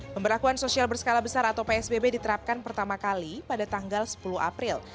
pemberlakuan sosial berskala besar atau psbb diterapkan pertama kali pada tanggal sepuluh april